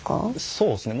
そうですね。